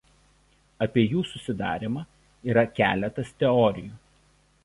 Apie jų susidarymą yra keletas teorijų.